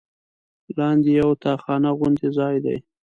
لاندې یوه تاخانه غوندې ځای دی.